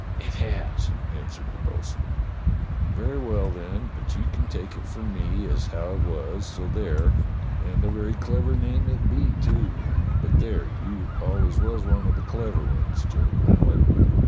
"It has," answered the bo'sun. "Very well, then, but you can take it from me as how it was, so there, and a very clever name it be, too ; but there, you always was one of the clever ones. Job Mallet."